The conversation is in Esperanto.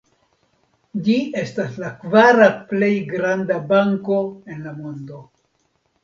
Ĝi estas la kvara plej granda banko en la mondo.